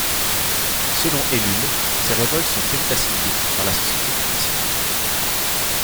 Selon Ellul, ces révoltes sont très vite assimilées par la société technicienne.